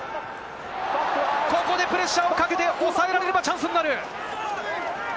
ここでプレッシャーをかけて、おさえられればチャンスになる。